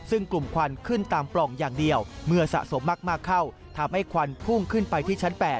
ซึ่งกลุ่มควันขึ้นตามปล่องอย่างเดียวเมื่อสะสมมากเข้าทำให้ควันพุ่งขึ้นไปที่ชั้น๘